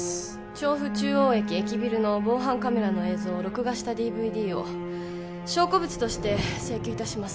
調布中央駅駅ビルの防犯カメラの映像を録画したＤＶＤを証拠物として請求いたします